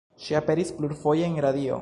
Ŝi aperis plurfoje en radio.